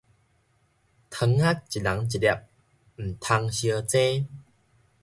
糖仔一人一粒，毋通相爭